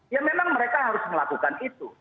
ya memang mereka harus melakukan itu